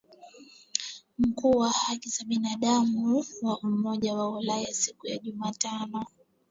Mkuu wa haki za binadamu wa Umoja wa Ulaya siku ya Jumatano